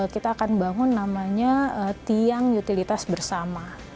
kita akan bangun namanya tiang utilitas bersama